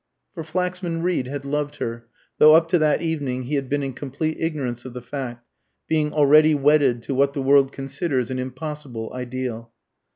For Flaxman Reed had loved her, though up to that evening he had been in complete ignorance of the fact, being already wedded to what the world considers an impossible ideal.